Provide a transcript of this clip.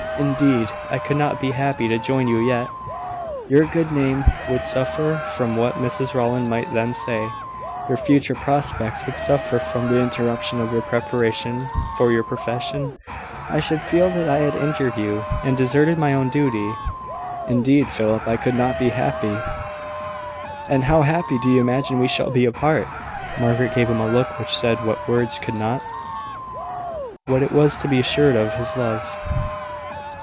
Indeed, I could not be happy to join you yet. Your good name would suffer from what Mrs Rowland might then say. Your future prospects would suffer from the interruption of your preparation for your profession. I should feel that I had injured you, and deserted my own duty. Indeed, Philip, I could not be happy." "And how happy do you imagine we shall be apart?" Margaret gave him a look which said what words could not what it was to be assured of his love.